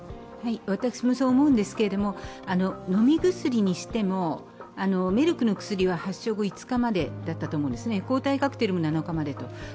私もそう思うんですけど、飲み薬にしてもメルクの薬は発症後５日まで、抗体カクテルも７日まで。